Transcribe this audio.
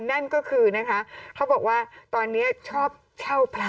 นั่นก็คือนะคะเขาบอกว่าตอนนี้ชอบเช่าพระ